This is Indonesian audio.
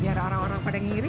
biar orang orang pada ngiri